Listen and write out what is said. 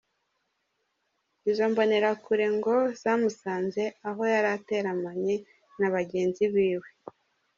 Izo mbonerakure ngo zamusanze aho yarateramanye n’abagenzi biwe.